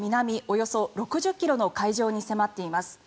およそ６０ｋｍの海上に迫っています。